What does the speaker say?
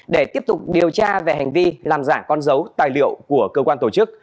để tiếp tục điều tra về hành vi làm giả con dấu tài liệu của cơ quan tổ chức